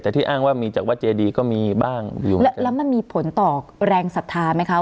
แต่ที่อ้างว่ามีจากวัดเจดีก็มีบ้างอยู่แล้วแล้วมันมีผลต่อแรงศรัทธาไหมคะ